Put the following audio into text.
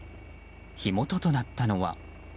火元となったのは。